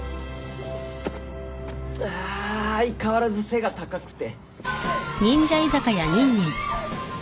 あ相変わらず背が高くて。